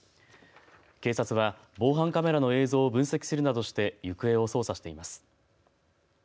警察は防犯カメラの映像を分析するなどして行方を捜査しています。